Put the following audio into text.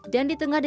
dan di tengah desa